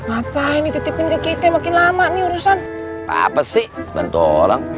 apa ini titipin ke kita makin lama nih urusan apa sih bantu orang